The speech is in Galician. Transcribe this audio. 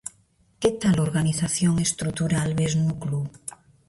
Que tal organización estrutural ves no club?